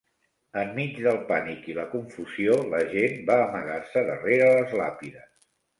En mig del pànic i la confusió, la gent va amagar-se darrera les làpides.